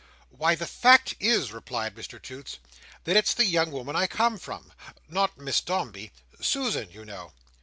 "Why the fact is," replied Mr Toots, "that it's the young woman I come from. Not Miss Dombey—Susan, you know.